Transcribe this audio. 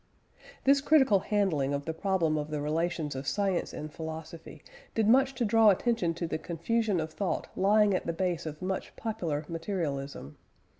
This critical handling of the problem of the relations of science and philosophy did much to draw attention to the confusion of thought lying at the base of much popular materialism.